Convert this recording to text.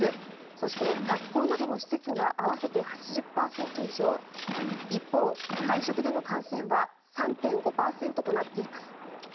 そして、学校などの施設が合わせて８０％以上一方、会食での感染は３．５％となっています。